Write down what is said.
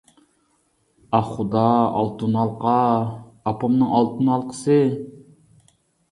ئاھ خۇدا، ئالتۇن ھالقا، ئاپامنىڭ ئالتۇن ھالقىسى!